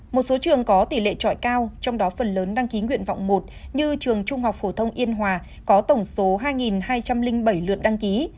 một số trường có tỷ lệ trọi cao trong đó phần lớn đăng ký nguyện vọng một như trường trung học phổ thông yên hòa có tổng số hai hai trăm linh bảy lượt đăng ký